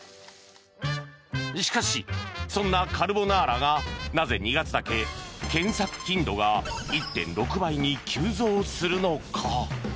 しかしそんなカルボナーラがなぜ２月だけ検索頻度が １．６ 倍に急増するのか？